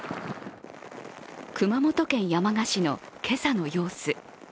熊本県山鹿市の今朝の様子。